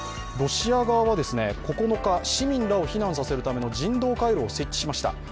ロシア側は９日、市民らを避難させるための人道回廊を設置しました。